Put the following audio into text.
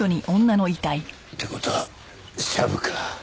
って事はシャブか。